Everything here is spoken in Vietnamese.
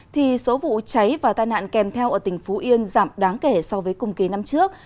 thì số vụ cháy và tai nạn kèm theo ở tỉnh phú yên giảm đáng kể so với cùng kỳ năm trước